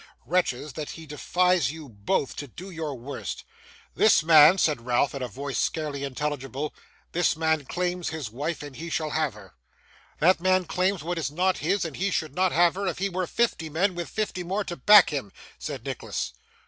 Wretches, that he defies you both to do your worst.' 'This man,' said Ralph, in a voice scarcely intelligible, 'this man claims his wife, and he shall have her.' 'That man claims what is not his, and he should not have her if he were fifty men, with fifty more to back him,' said Nicholas.